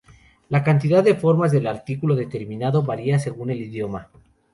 La cantidad de formas del artículo determinado varía según el idioma.